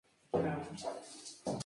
My format: Guardian.